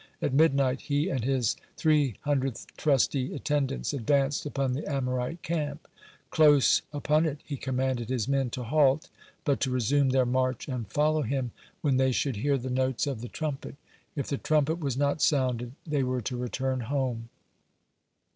At midnight he and his three hundred trusty attendants advanced upon the Amorite camp. Close upon it, he commanded his men to halt, but to resume their march and follow him when they should hear the notes of the trumpet. If the trumpet was not sounded, they were to return home.